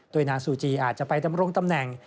โดยนางซูจีอาจจะไปดำรงตำแหน่ง